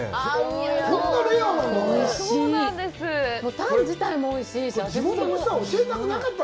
タン自体もおいしいし、味付けも。